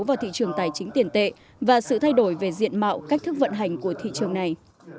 vào thị trường tài chính tiền tệ và sự thay đổi về diện mạo cách thức vận hành của thị trường này